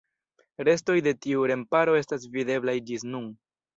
Restoj de tiu remparo estas videblaj ĝis nun.